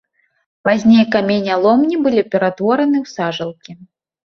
Пазней каменяломні былі пераўтвораны ў сажалкі.